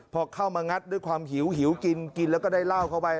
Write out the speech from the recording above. พอเข้ามางัดด้วยความหิวหิวกินกินแล้วก็ได้เหล้าเข้าไป